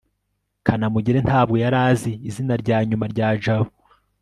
kanamugire ntabwo yari azi izina rya nyuma rya jabo